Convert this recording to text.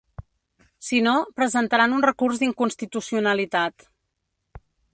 Si no, presentaran un recurs d’inconstitucionalitat.